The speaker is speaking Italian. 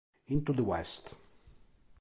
Into the West